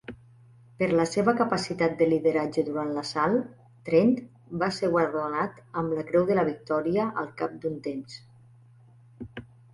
Per la seva capacitat de lideratge durant l'assalt, Trent va ser guardonat amb la Creu de la Victòria al cap d'un temps.